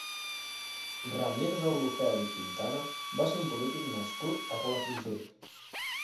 Ramir Deulofeu i Quintana va ser un polític nascut a Palafrugell.